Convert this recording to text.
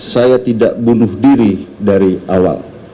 saya tidak bunuh diri dari awal